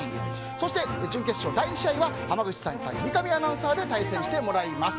そして、準決勝第２試合は濱口さん対三上アナウンサーで対戦してもらいます。